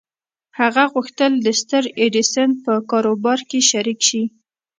هغه غوښتل د ستر ايډېسن په کاروبار کې شريک شي.